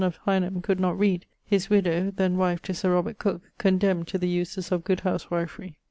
] of Hineham could not read, his widowe (then wife to Sir Robert Cooke) condemned to the uses of good houswifry.